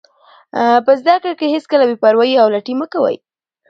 په زده کړه کې هېڅکله بې پروایي او لټي مه کوئ.